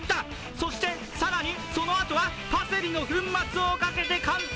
そして更に、そのあとはパセリの粉末をかけて完成！